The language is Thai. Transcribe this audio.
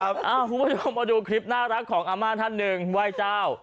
คุณผู้ชมมาดูคลิปน่ารักของอาม่าท่านหนึ่งไหว้เจ้า